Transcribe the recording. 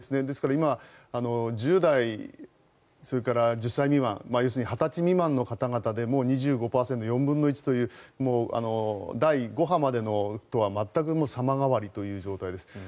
ですから今１０代それから１０歳未満要するに２０歳未満の方々でも２５％４分の１という第５波までとは全く様変わりという状態です。